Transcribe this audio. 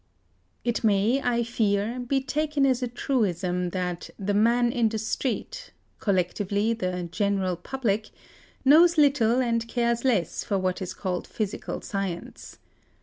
It may, I fear, be taken as a truism that "the man in the street" (collectively, the "general public") knows little and cares less for what is called physical science.